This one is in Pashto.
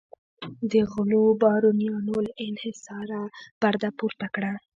د غلو بارونیانو له انحصاره پرده پورته کړه.